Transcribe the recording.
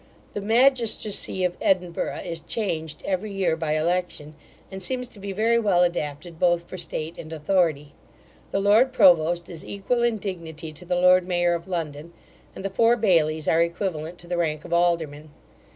The magistracy of Edinburgh is changed every year by election, and seems to be very well adapted both for state and authority. The lord provost is equal in dignity to the lord mayor of London; and the four bailies are equivalent to the rank of aldermen.